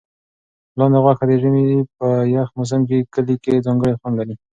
لاندي غوښه د ژمي په یخ موسم کې کلي کې ځانګړی خوند لري.